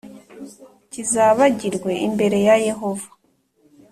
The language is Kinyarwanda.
kizabagirwe imbere ya Yehova